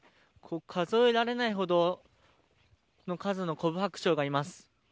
数え切れないほどの数のコブハクチョウがいます。